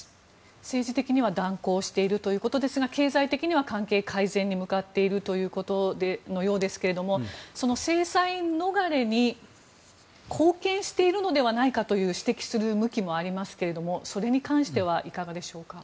政治的には断交しているということですが経済的には関係改善に向かっているようですがその制裁逃れに貢献しているのではないかという指摘する向きもありますけどそれに関してはいかがでしょうか。